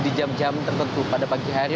di jam jam tertentu pada pagi hari